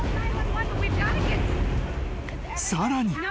［さらに］